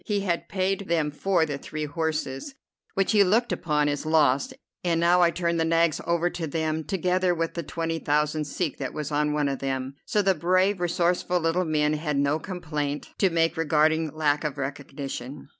He had paid them for the three horses, which he looked upon as lost, and now I turned the nags over to them, together with the twenty thousand sek that was on one of them; so the brave, resourceful little men had no complaint to make regarding lack of recognition.